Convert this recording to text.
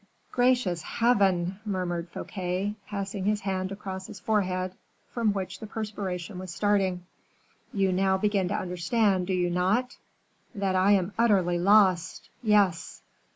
"Gracious Heaven!" murmured Fouquet, passing his hand across his forehead, from which the perspiration was starting. "You now begin to understand, do you not?" "That I am utterly lost! yes."